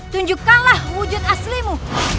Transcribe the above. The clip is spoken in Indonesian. tunjukkanlah wujud aslimu